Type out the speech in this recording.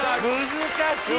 難しい！